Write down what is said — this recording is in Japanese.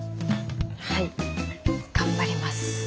はい頑張ります。